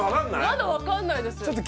まだ分かんないです